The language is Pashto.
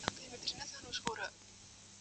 چیغه به سو، دار به سو، منصور به سو، رسوا به سو `